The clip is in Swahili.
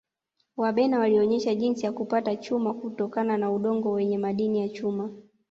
Wabena walionesha jinsi ya kupata chuma kutokana na udongo wenye madini ya chuma